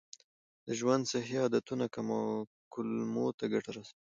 د ژوند صحي عادتونه کولمو ته ګټه رسوي.